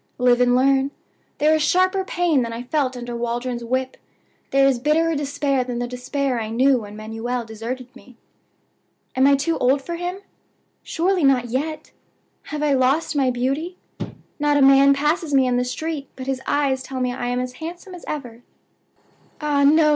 Live and learn. There is sharper pain than I felt under Waldron's whip; there is bitterer despair than the despair I knew when Manuel deserted me. "Am I too old for him? Surely not yet! Have I lost my beauty? Not a man passes me in the street but his eyes tell me I am as handsome as ever. "Ah, no!